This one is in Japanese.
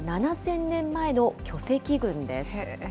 ７０００年前の巨石群です。